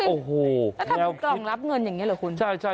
อื้ออโหแล้วถ้าบุตรรองรับเงินอย่างเงี้ยเหรอคุณ